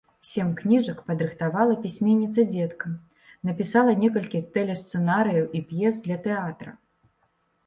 Сем кніжак падрыхтавала пісьменніца дзеткам, напісала некалькі тэлесцэнарыяў і п'ес для тэатра.